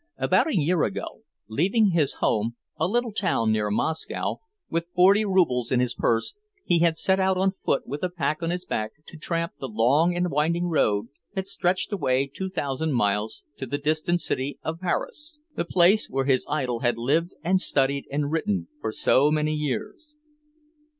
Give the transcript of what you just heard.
And a year ago, leaving his home, a little town near Moscow, with forty roubles in his purse he had set out on foot with a pack on his back to tramp the long and winding road that stretched away two thousand miles to the distant city of Paris, the place where his idol had lived and studied and written for so many years.